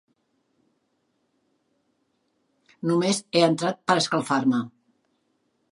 Només he entrat per escalfar-me.